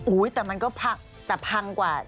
โอ้ยแต่มันก็พักแต่พังกว่า